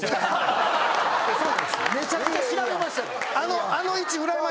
めちゃくちゃ調べました。